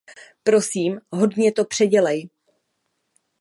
Prosím, hodně to předělej.